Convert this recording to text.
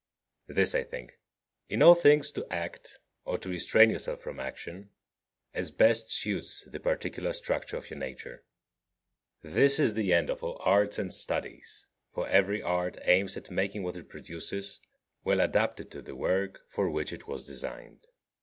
This, I think: in all things to act, or to restrain yourself from action, as best suits the particular structure of your nature. This is the end of all arts and studies, for every art aims at making what it produces well adapted to the work for which it was designed.